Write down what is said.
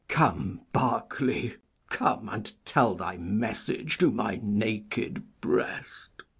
Come, Berkeley, come, And tell thy message to my naked breast.